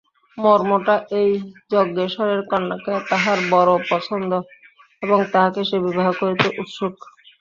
মর্মটা এই, যজ্ঞেশ্বরের কন্যাকে তাহার বড়ো পছন্দ এবং তাহাকে সে বিবাহ করিতে উৎসুক।